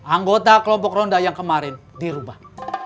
anggota kelompok ronda yang kemarin dirubah